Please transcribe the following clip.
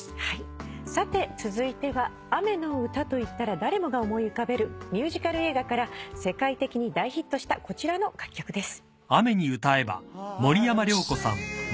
さて続いては雨の歌といったら誰もが思い浮かべるミュージカル映画から世界的に大ヒットしたこちらの楽曲です。